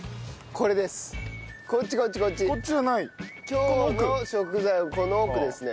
今日の食材はこの奥ですね。